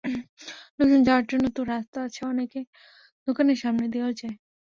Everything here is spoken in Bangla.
লোকজন যাওয়ার জন্য তো রাস্তা আছে, অনেকে দোকানের সামনে দিয়াও যায়।